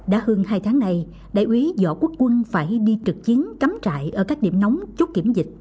đã hơn hai tháng này đại úy võ quốc quân phải đi trực chiến cắm trại ở các điểm nóng chốt kiểm dịch